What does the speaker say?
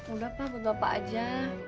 udah pak buat bapak aja